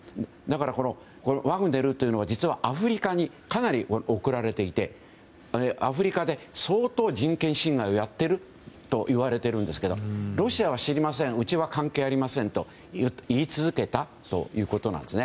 ワグネルというのは実は、アフリカにかなり送られていてアフリカで相当、人権侵害をやっているといわれているんですけどロシアは、知りませんうちは関係ありませんと言い続けたということなんです。